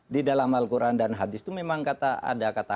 di dalam al quran dan hadis itu memang ada kata